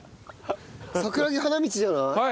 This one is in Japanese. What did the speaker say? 桜木花道じゃない？